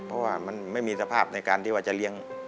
เพราะว่ามันไม่มีสภาพในการที่ว่าจะเลี้ยง